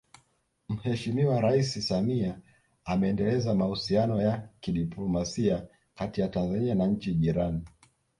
Mheshimiwa Rais Samia ameendeleza mahusiano ya kidiplomasia kati ya Tanzania na nchi jirani